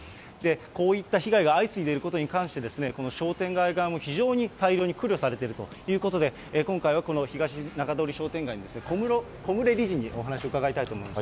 こういった被害が相次いでいることに関してですね、この商店街側も非常に対応に苦慮されているということで、今回はこのひがし中通り商店街の小牟礼理事にお話伺いたいと思います。